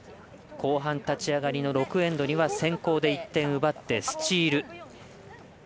後半、立ち上がりの６エンドには先攻で１点奪ってスチール。